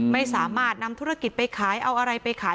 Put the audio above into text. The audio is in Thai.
ไม่สามารถนำธุรกิจไปขายเอาอะไรไปขาย